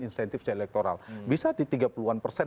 insentif elektoral bisa di tiga puluh an persen